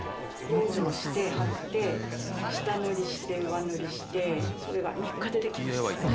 養生して貼って下塗りして上塗りしてそれが３日でできました。